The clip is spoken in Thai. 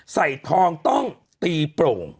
ใส่ทองต้องตีโปร่ง